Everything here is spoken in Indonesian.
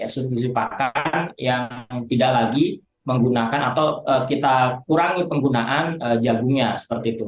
institusi pakan yang tidak lagi menggunakan atau kita kurangi penggunaan jagungnya seperti itu